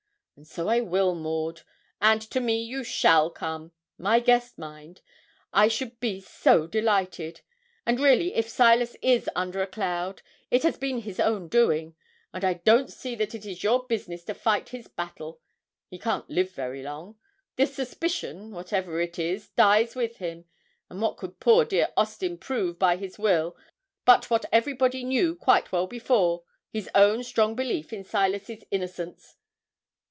And so I will, Maud, and to me you shall come my guest, mind I should be so delighted; and really if Silas is under a cloud, it has been his own doing, and I don't see that it is your business to fight his battle. He can't live very long. The suspicion, whatever it is dies with him, and what could poor dear Austin prove by his will but what everybody knew quite well before his own strong belief in Silas's innocence?